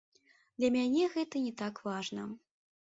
Для мяне гэта не так важна.